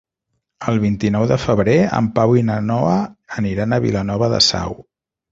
El vint-i-nou de febrer en Pau i na Noa aniran a Vilanova de Sau.